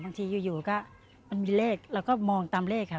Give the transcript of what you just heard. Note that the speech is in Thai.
บางทีอยู่มันมีเลขแล้วก็มองตามเลขค่ะ